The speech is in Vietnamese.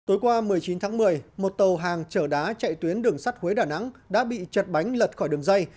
tối qua một mươi chín tháng một mươi một tàu hàng chở đá chạy tuyến đường sắt huế đà nẵng đã bị chật bánh lật khỏi đường dây